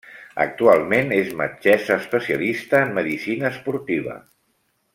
Actualment és metgessa especialista en medicina esportiva.